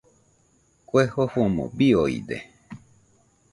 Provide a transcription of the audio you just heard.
Kue jofomo biooide.